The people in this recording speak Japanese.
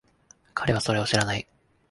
彼はそれを知らない。